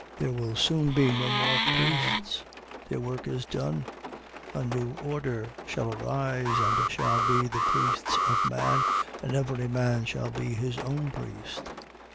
There will soon be no more priests. Their work is done. A new order shall arise, and they shall be the priests of man, and every man shall be his own priest.